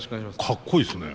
かっこいいですね。